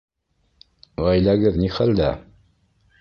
Ғаиләгеҙ ни хәлдә?